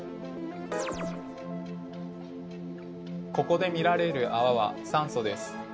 ここで見られるあわは酸素です。